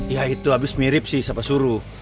ya itu abis mirip sih siapa suruh